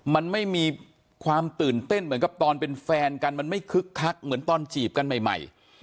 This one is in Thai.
มันไม่มีความตื่นเต้นเหมือนกับตอนเป็นแฟนกันมันไม่คึกคักเหมือนตอนจีบกันใหม่